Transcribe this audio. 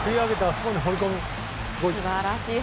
すごい。